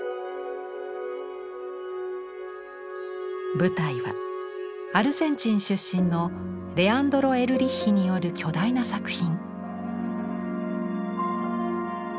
舞台はアルゼンチン出身のレアンドロ・エルリッヒによる巨大な作品。